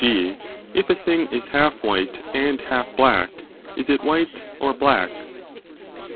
g. if a thing is half white and half black, is it 20 white or black